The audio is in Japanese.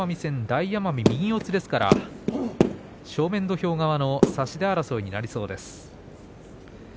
大奄美は右四つですから正面土俵側の差し手争いになりそうです。